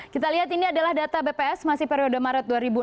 kita lihat ini adalah data bps masih periode maret dua ribu enam belas